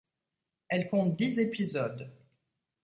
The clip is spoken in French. Elle compte dix épisodes.